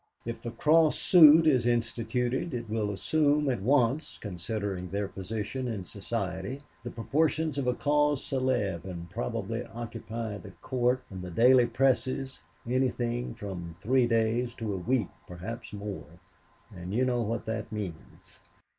If the cross suit is instituted, it will assume at once, considering their position in Society, the proportions of a 'cause celebre', and probably occupy the court and the daily presses anything from three days to a week, perhaps more, and you know what that means.